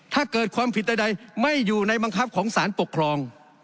ถ้าเกิดความผิดใดไม่อยู่ในบังคับของสารปกครอง